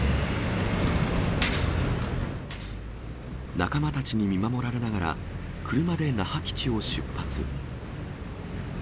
仲間たちに見守られながら、車で那覇基地を出発。